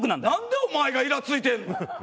なんでお前がイラついてんの？